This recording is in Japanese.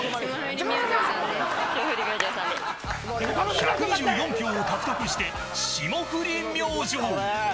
１２４票を獲得して霜降り明星。